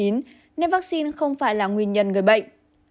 nên vaccine không phải là nguyên nhân người bệnh